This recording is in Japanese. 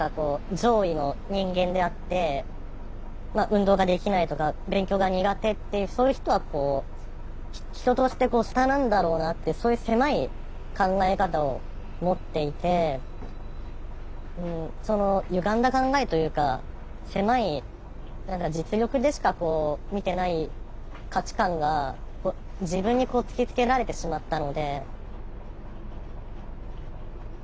運動ができないとか勉強が苦手っていうそういう人はこう人として下なんだろうなってそういう狭い考え方を持っていてそのゆがんだ考えというか狭い何か実力でしか見てない価値観が自分に突きつけられてしまったので。